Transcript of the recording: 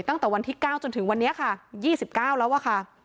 ตั้งแต่วันที่เก้าจนถึงวันเนี้ยค่ะยี่สิบเก้าแล้วว่าค่ะ